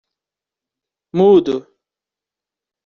Mudo.